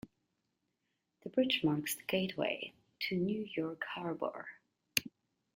The bridge marks the gateway to New York Harbor.